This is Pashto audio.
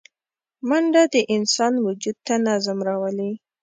منډه د انسان وجود ته نظم راولي